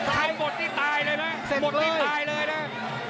หมดนี่ตายเลยนะหมดนี่ตายเลยนะ